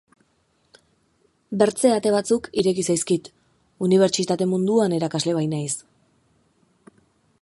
Bertze ate batzuk ireki zaizkit, unibertsitate munduan erakasle bainaiz.